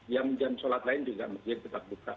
jam jam sholat lain juga masjid tetap buka